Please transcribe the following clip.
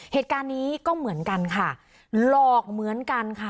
เหตุการณ์นี้ก็เหมือนกันค่ะหลอกเหมือนกันค่ะ